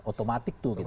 otomatis tuh gitu